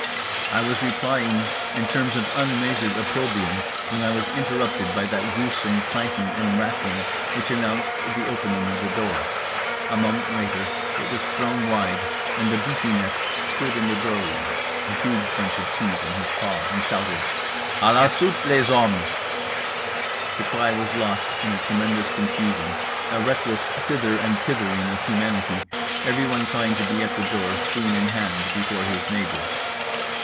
I was replying in terms of unmeasured opprobrium when I was interrupted by that gruesome clanking and rattling which announced the opening of the door. A moment later it was thrown wide, and the beefy neck stood in the doorway, a huge bunch of keys in his paw, and shouted: "A la soupe les hommes." The cry was lost in a tremendous confusion, a reckless thither and hithering of humanity, everyone trying to be at the door, spoon in hand, before his neighbour.